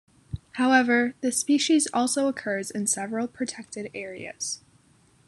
However, the species also occurs in several protected areas.